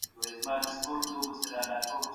ښه ښکاریږي